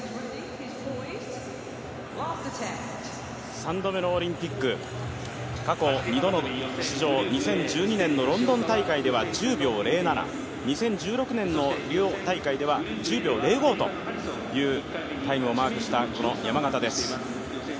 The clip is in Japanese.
３度目のオリンピック、過去２度の出場、２０１２年のロンドン大会では１０秒０７、２０１６年のリオ大会では１０秒０５というタイムをマークした山縣です。